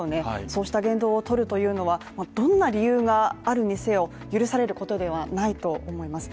そうした言動をとるというのは、どんな理由があるにせよ許されることではないと思います。